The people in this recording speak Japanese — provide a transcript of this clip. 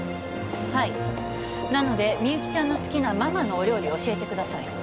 はいなのでみゆきちゃんの好きなママのお料理を教えてください